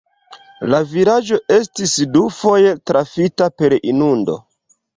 La vilaĝo estis dufoje trafita per inundo.